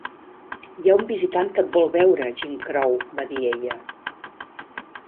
"Hi ha un visitant que et vol veure, Jim Crow", va dir ella.